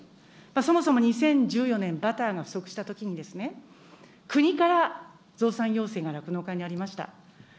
そもそも２０１４年、バターが不足したときに、国から増産要請が酪農家にありました。